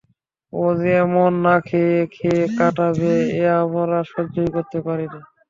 ও যে এমন না খেয়ে খেয়ে কাটাবে এ আমরা সহ্য করতে পারি নে।